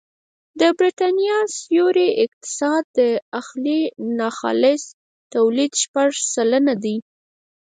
د بریتانیا سیوري اقتصاد د داخلي ناخالص توليد شپږ سلنه دی